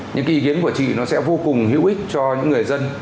những ý kiến của chị nó sẽ vô cùng hữu ích cho những người dân